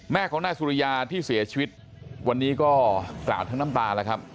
แม่ของนายสุริยาที่เสียชีวิตวันนี้ก็กล่าวทั้งน้ำตาแล้วครับ